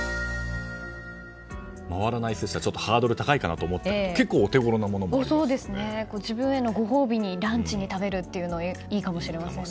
回らない寿司はちょっとハードル高いかなと思ってましたけど結構自分へのご褒美にランチに食べるっていうのはいいかもしれませんね。